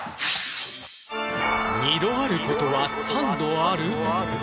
二度あることは三度ある？